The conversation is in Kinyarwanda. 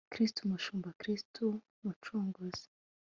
kristu mushumba, kristu mucunguzi